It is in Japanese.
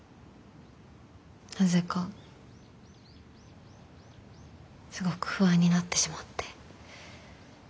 なぜかすごく不安になってしまって。